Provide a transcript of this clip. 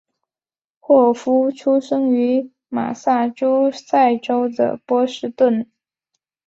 霍夫出生于马萨诸塞州的波士顿。